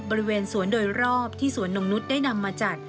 บริเวณสวนโดยรอบที่สวนนงนุษย์ได้นำมาจัด